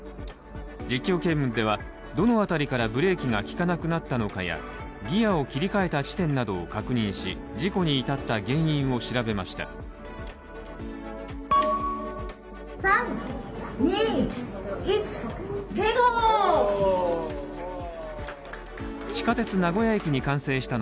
実況見分ではどの辺りからブレーキがきかなくなったのかなどやギアを切り替えた地点などを確認し、事故に至った原因を調べました。